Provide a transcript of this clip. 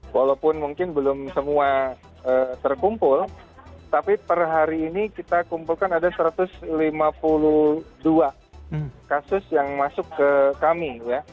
walaupun mungkin belum semua terkumpul tapi per hari ini kita kumpulkan ada satu ratus lima puluh dua kasus yang masuk ke kami